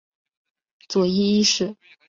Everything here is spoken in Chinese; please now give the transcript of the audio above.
佐伊一世。